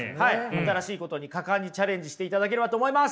新しいことに果敢にチャレンジしていただければと思います。